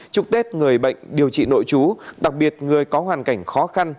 chúc tết người bệnh điều trị nội chú đặc biệt người có hoàn cảnh khó khăn